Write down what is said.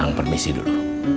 kang permisi dulu